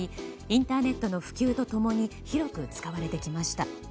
インターネットの普及と共に広く使われてきました。